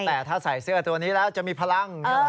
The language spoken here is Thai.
แต่ถ้าใส่เสื้อตัวนี้แล้วจะมีพลัง